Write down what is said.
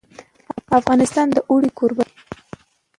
افغانستان د اوړي کوربه دی.